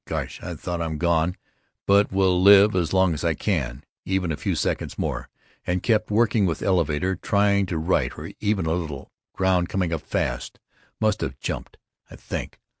Gosh, I thought, I'm gone, but will live as long as I can, even a few seconds more, and kept working with elevator, trying to right her even a little. Ground coming up fast. Must have jumped, I think.